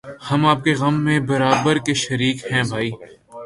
ہم آپ کے غم میں برابر کے شریک ہیں بھائی